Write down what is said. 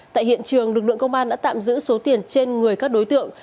tại hiện trường lực lượng công an đã tạm giữ số tiền trên người các đối tượng